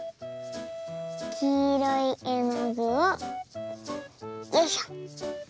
きいろいえのぐをよいしょ。